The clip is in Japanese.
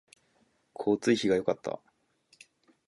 交通費が良かった